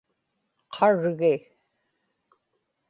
qargi